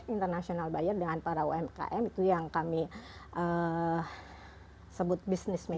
dan itu di sini kami mempertemukan dengan para umkm itu yang kami sebut business matching